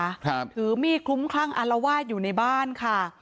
ถือมีดคลุ้มคลั่งอารวาสอยู่ในบ้านค่ะ